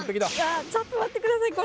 ちょっと待ってくださいこれ。